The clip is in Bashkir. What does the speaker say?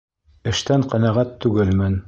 Эштән ҡәнәғәт түгелмен.